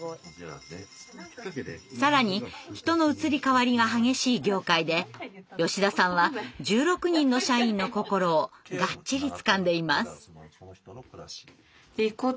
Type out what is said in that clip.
更に人の移り変わりが激しい業界で吉田さんは１６人の社員の心をガッチリつかんでいます。